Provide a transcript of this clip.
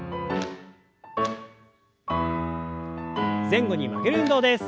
前後に曲げる運動です。